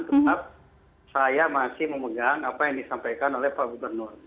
tetap saya masih memegang apa yang disampaikan oleh pak gubernur